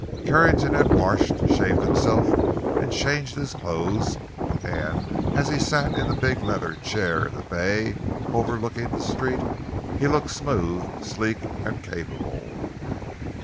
Carrington had washed, shaved himself, and changed his clothes; and as he sat in the big leather chair in the bay, overlooking the street, he looked smooth, sleek, and capable.